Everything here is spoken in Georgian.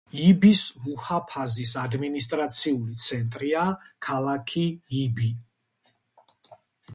იბის მუჰაფაზის ადმინისტრაციული ცენტრია ქალაქი იბი.